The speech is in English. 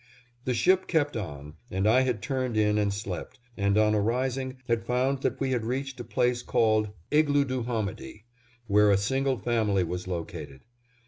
The ship kept on, and I had turned in and slept, and on arising had found that we had reached a place called Igluduhomidy, where a single family was located.